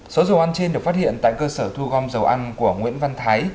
số dầu ăn trên được phát hiện tại cơ sở thu gom dầu ăn của nguyễn văn thái